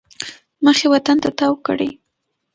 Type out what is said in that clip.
مخ یې وطن ته تاو کړی.